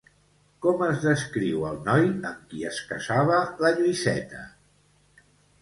Com es descriu el noi amb qui es casava la Lluïseta?